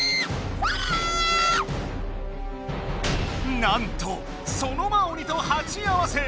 なんとソノマ鬼とはち合わせ！